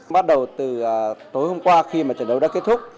bắt đầu từ tối hôm qua khi mà trận đấu đã kết thúc